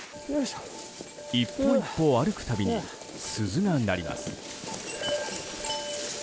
１歩１歩、歩くたびに鈴が鳴ります。